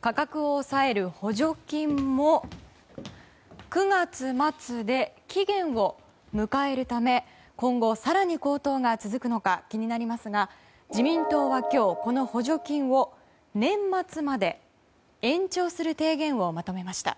価格を抑える補助金も９月末で期限を迎えるため今後、更に高騰が続くのか気になりますが自民党は今日、この補助金を年末まで延長する提言をまとめました。